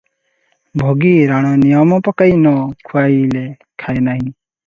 ଭଗି ରାଣ ନିୟମ ପକାଇ ନ ଖୁଆଇଲେ ଖାଏ ନାହିଁ ।